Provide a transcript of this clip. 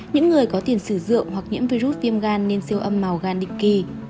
những người có tiền sử dụng hoặc nhiễm virus viêm gan nên siêu âm màu gan định kỳ